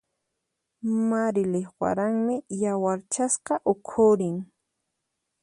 Marilyq waranmi yawarchasqa ukhurin.